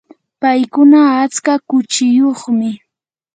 paykuna atska kuchiyuqmi.